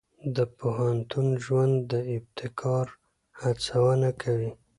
د پوهنتون ژوند د ابتکار هڅونه کوي.